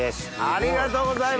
ありがとうございます！